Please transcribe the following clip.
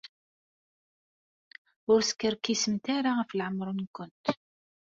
Ur skerkisemt ara ɣef leɛmeṛ-nwent.